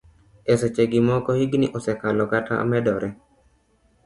E seche gi moko hikgi osekalo kata medore.